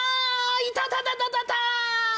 イタタタタタタ！